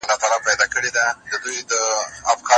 شاوخوا ته ګاونډیان یې په غوغا کړه